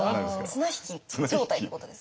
綱引き状態ってことですか？